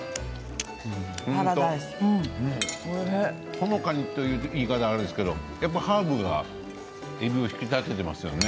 ほのかにという言い方はあれですけどやっぱりハーブがえびを引き立てていますよね。